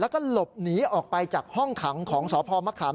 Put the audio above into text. แล้วก็หลบหนีออกไปจากห้องขังของสพมะขาม